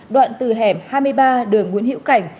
đoạn từ hẻm hai mươi ba đường nguyễn hữu cảnh